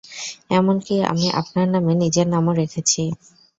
এমনকি আমি আপনার নামে নিজের নামও রেখেছি।